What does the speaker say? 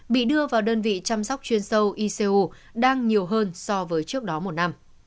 bị đưa vào đơn vị chăm sóc chuyên sâu icu đang nhiều hơn so với trước đó một năm